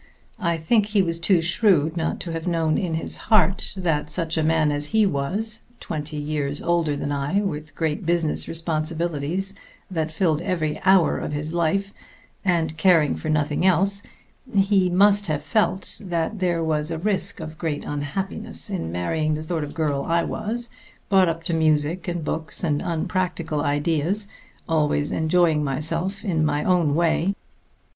I think he was too shrewd not to have known in his heart that such a man as he was, twenty years older than I, with great business responsibilities that filled every hour of his life, and caring for nothing else he must have felt that there was a risk of great unhappiness in marrying the sort of girl I was, brought up to music and books and unpractical ideas, always enjoying myself in my own way.